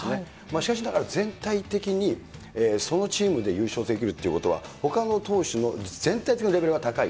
しかしながら、全体的にそのチームで優勝できるということは、ほかの投手の全体的なレベルが高い。